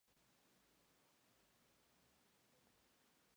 Esto probablemente da lugar a la segunda parte del nombre de Guildford.